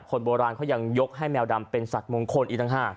คนโบราณเขายังยกให้แมวดำเป็นสัตว์มงคลอีกต่างหาก